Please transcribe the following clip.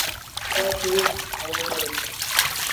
هئو ريٚ جآڳآ تي هئو ڪرو۔